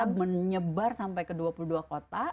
dan kita menyebar sampai ke dua puluh dua kota